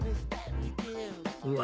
うわ